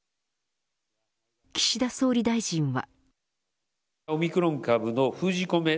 岸田総理大臣は。